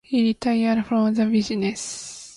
He retired from the business.